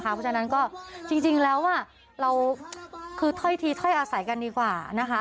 เพราะฉะนั้นก็จริงแล้วเราคือถ้อยทีถ้อยอาศัยกันดีกว่านะคะ